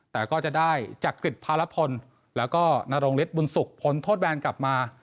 แต่ก็จะได้จักริจพารพลแล้วก็นรงฤทธบุญสุขพ้นโทษแบนกลับมา